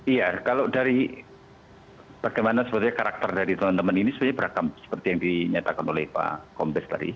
iya kalau dari bagaimana karakter dari teman teman ini seperti yang dinyatakan oleh pak kompes tadi